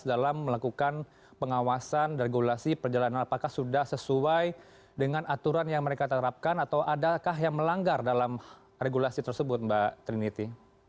dalam melakukan pengawasan dan regulasi perjalanan apakah sudah sesuai dengan aturan yang mereka terapkan atau adakah yang melanggar dalam regulasi tersebut mbak trinity